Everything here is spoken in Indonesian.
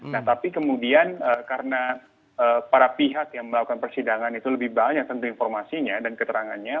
nah tapi kemudian karena para pihak yang melakukan persidangan itu lebih banyak tentu informasinya dan keterangannya